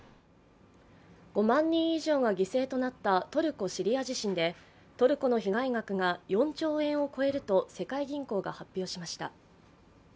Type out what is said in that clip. ５万人以上が犠牲となったトルコ・シリア地震でトルコの被害額が４兆円を超えると世界銀行が発表しました。